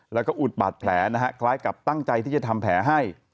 แล้วก็อุดบาดแผลนะฮะคล้ายกับตั้งใจที่จะทำแผลให้